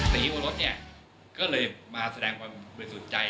สีวรถเนี่ยก็เลยมาแสดงความเป็นสุดใจ